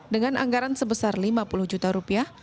dengan anggaran sebesar lima puluh juta rupiah